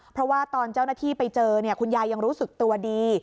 เพราะว่าตอนเจ้าหน้าที่ไปเจอคุณยายยังรู้สึกตัวดี